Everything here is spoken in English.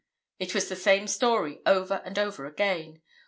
It was the same story over and over again.